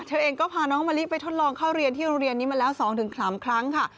เธอเองก็พาน้องมะลิไปทดลองเข้าเรียนที่โรงเรียนนี้มาแล้ว๒๓ครั้งค่ะ